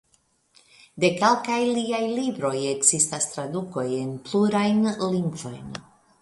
De kelkaj liaj libroj ekzistas tradukoj en plurajn lingvojn.